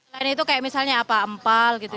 lain itu kayak misalnya apa empal gitu